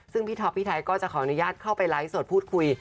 ซึ่งพี่ท็อปพี่ไทยก็จะขออนุญาตเข้าไปไลฟ์สดพูดคุย